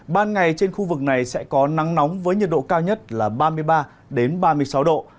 ban ngày trên khu vực này sẽ có nắng nóng với nhiệt độ cao nhất là ba mươi ba ba mươi sáu độ